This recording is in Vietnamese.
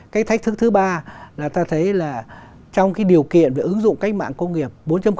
cái thách thức thứ ba là ta thấy là trong cái điều kiện về ứng dụng cách mạng công nghiệp bốn